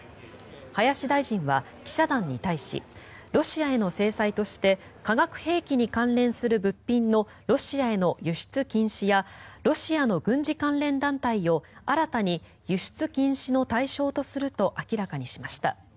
林大臣は記者団に対しロシアへの制裁として化学兵器に関連する物品のロシアへの輸出禁止やロシアの軍事関連団体を新たに輸出禁止の対象とすると明らかにしました。